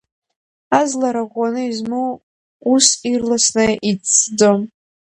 Азлара ӷәӷәаны измоу ус ирласны иҵәҵәӡом.